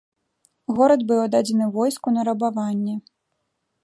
Горад быў аддадзены войску на рабаванне.